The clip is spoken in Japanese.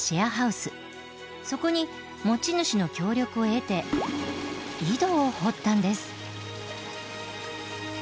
そこに持ち主の協力を得て井戸を掘ったんです。